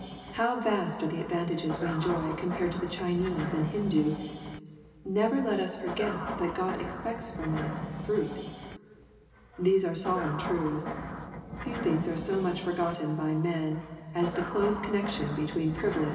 How vast are the advantages we enjoy com pared to the Chinese and Hindoo 1 Never let us forget that God expects from us " fruit." These are solemn truths. Few things are so much forgotten hymen as the close connexion between privilege 114 ErPOSITOBY THOUGHTft.